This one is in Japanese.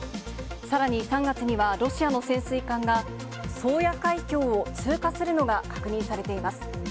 さらに３月には、ロシアの潜水艦が、宗谷海峡を通過するのが確認されています。